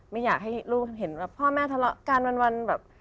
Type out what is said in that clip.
ไม่อยากให้ลูกเห็นแบบพ่อแม่ทะเลาะกันวันแบบ